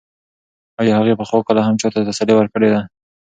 ایا هغې پخوا کله هم چا ته تسلي ورکړې ده؟